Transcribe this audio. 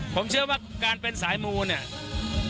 ผมเชื่อว่าการเป็นสายมูเนี่ย